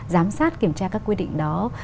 giám sát kiểm tra các quy định đó